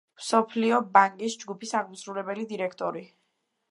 მსოფლიო ბანკის ჯგუფის აღმასრულებელი დირექტორი.